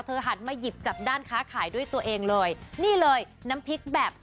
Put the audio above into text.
หันมาหยิบจับด้านค้าขายด้วยตัวเองเลยนี่เลยน้ำพริกแบบ